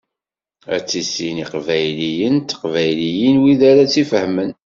Ad tissin iqbayliyen d teqbayliyin wid ara tt-ifehmen.